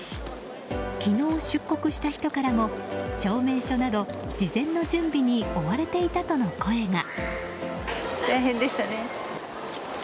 昨日出国した人からも証明書など事前の準備に追われていたとの声が。